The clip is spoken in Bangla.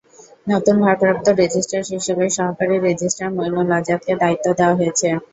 নতুন ভারপ্রাপ্ত রেজিস্ট্রার হিসেবে সহকারী রেজিস্ট্রার মইনুল আজাদকে দায়িত্ব দেওয়া হয়েছে।